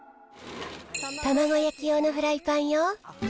卵焼き用のフライパンよ。